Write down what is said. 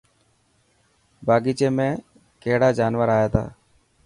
باغيچي ۾ ڪهڙا جانور اي تا.